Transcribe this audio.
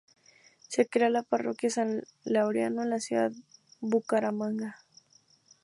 Se crea la Parroquia San Laureano en la ciudad de Bucaramanga.